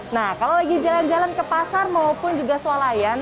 nah kalau lagi jalan jalan ke pasar maupun juga sualayan